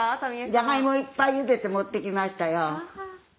じゃがいもいっぱいゆでて持ってきましたよ。